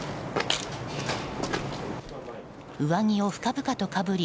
上着を深々とかぶり